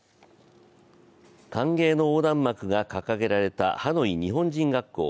歓迎の横断幕が掲げられたハノイ日本人学校。